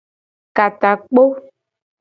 Ka takpo.